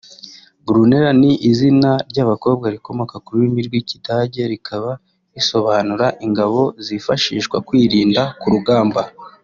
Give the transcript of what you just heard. Brunella ni izina ry’abakobwa rikomoka ku rurimi rw’Ikidage rikaba risobanura “Ingabo zifashiswa kwirinda ku rugamba”